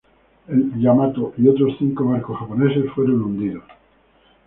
El "Yamato" y otros cinco barcos japoneses fueron hundidos.